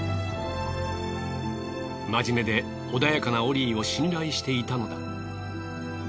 まじめで穏やかなオリーを信頼していたのだ。